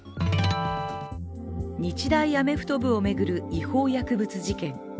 日大アメフト部を巡る違法薬物事件。